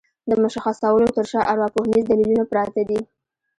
د مشخصولو تر شا ارواپوهنيز دليلونه پراته دي.